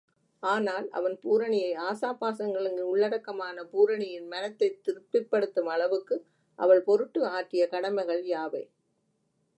ஆனால், அவன் பூரணியை ஆசாபாசங்களின் உள்ளடக்கமான பூரணியின் மனத்தைத் திருப்திப்படுத்தும் அளவுக்கு அவள் பொருட்டு ஆற்றிய கடமைகள் யாவை?